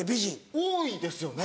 多いですよね。